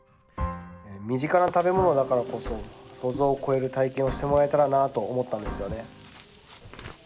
身近な食べ物だからこそ想像を超える体験をしてもらえたらなあと思ったんですよね。